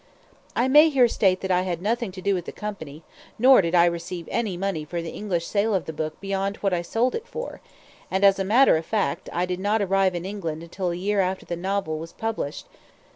I may here state that I had nothing to do with the Company, nor did I receive any money for the English sale of the book beyond what I sold it for; and, as a matter of fact, I did not arrive in England until a year after the novel was published.